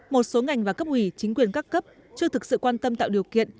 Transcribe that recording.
một số ngành và cấp ủy chính quyền các cấp chưa thực sự quan tâm tạo điều kiện